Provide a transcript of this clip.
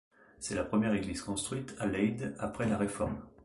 C'est la première église construite à Leyde après la Réforme.